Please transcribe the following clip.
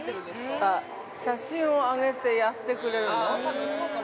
◆写真を上げて、やってくれるの？